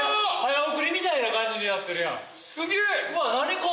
早送りみたいな感じでやってるやん。